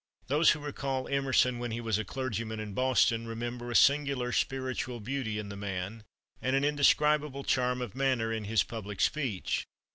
Those who recall Emerson when he was a clergyman in Boston remember a singular spiritual beauty in the man, and an indescribable charm of manner in his public speech.